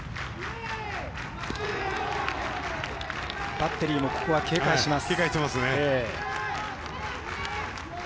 バッテリーもここは警戒します。